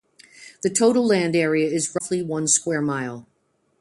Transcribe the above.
The total land area is roughly one square mile.